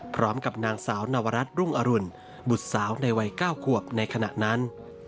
พร้อมกับนางสาวนวรัฐรุ่งอรุณบุตรสาวในวัย๙ขวบในขณะนั้น